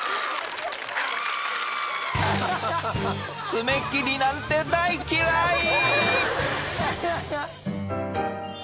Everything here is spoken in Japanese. ［爪切りなんて大嫌い］